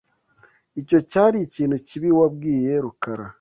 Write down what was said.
Icyo cyari ikintu kibi wabwiye Rukara.